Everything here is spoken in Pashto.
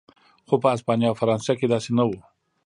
خو په هسپانیا او فرانسه کې داسې نه و.